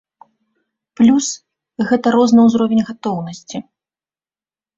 Плюс гэта розны ўзровень гатоўнасці.